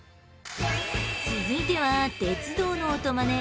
続いては鉄道の音マネ